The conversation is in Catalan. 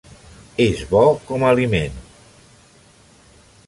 És bo com a aliment.